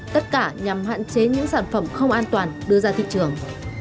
tất cả nhằm hạn chế những sản phẩm không an toàn đưa ra thị trường